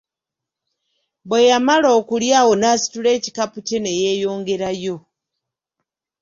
Bwe yamala okulya awo n'asitula ekikapu kye ne yeeyongerayo.